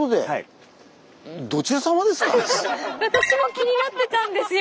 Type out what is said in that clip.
私も気になってたんですよ！